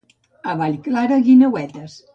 A Vallclara, guineuetes.